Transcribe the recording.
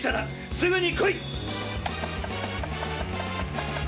すぐにこい！